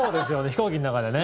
飛行機の中でね。